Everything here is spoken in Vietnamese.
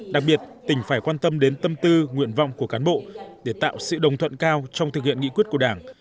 đặc biệt tỉnh phải quan tâm đến tâm tư nguyện vọng của cán bộ để tạo sự đồng thuận cao trong thực hiện nghị quyết của đảng